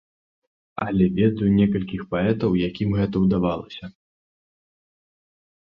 Але ведаю некалькіх паэтаў, якім гэта ўдавалася.